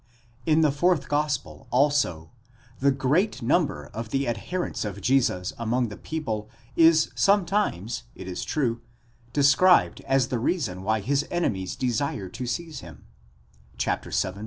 In the fourth gospel, also, the great number of the adherents of Jesus among the people is sometimes, it is true, described as the reason why his enemies desired to seize him (vii.